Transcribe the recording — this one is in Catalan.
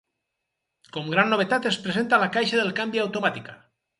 Com gran novetat es presenta la caixa del canvi automàtica.